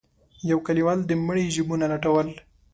يو کليوال د مړي جيبونه لټول.